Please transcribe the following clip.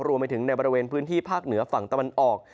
รวมไปถึงในบริเวณพื้นที่ภาคเหนือฝั่งตะวันออก